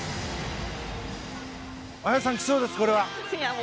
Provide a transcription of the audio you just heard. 綾さん、来そうですこれは。